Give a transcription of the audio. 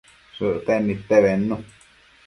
Shëcten nidte bednu